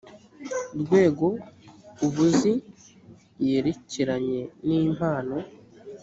rwego ub uzi yerekeranye n impano